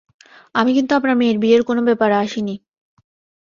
আমি কিন্তু আপনার মেয়ের বিয়ের কোনো ব্যাপারে আসি নি।